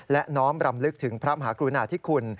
และน้อมรำลึกถึงพระมหากรุณาธิคุณ